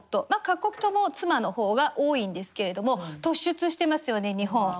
各国とも妻の方が多いんですけれども突出していますよね日本。